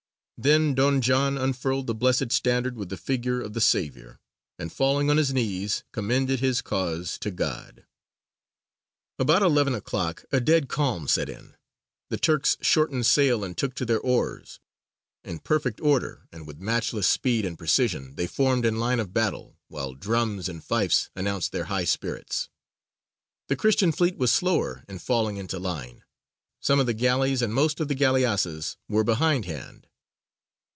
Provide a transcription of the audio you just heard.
Then Don John unfurled the Blessed Standard with the figure of the Saviour, and falling on his knees commended his cause to God. About eleven o'clock a dead calm set in. The Turks shortened sail and took to their oars: in perfect order and with matchless speed and precision they formed in line of battle, while drums and fifes announced their high spirits. The Christian fleet was slower in falling into line; some of the galleys and most of the galleasses were behindhand.